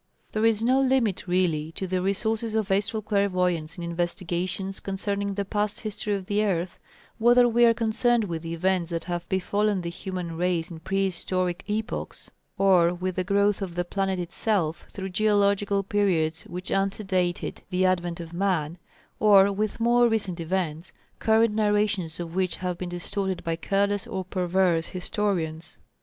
There is no limit really to the resources of astral clairvoyance in investigations concerning the past history of the earth, whether we are concerned with the events that have befallen the human race in prehistoric epochs, or with the growth of the planet itself through geological periods which antedated the advent of man, or with more recent events, current narrations of which have been distorted by careless or perverse historians.